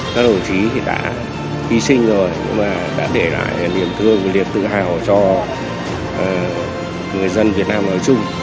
các đồng chí đã hy sinh rồi nhưng mà đã để lại niềm thương niềm tự hào cho người dân việt nam nói chung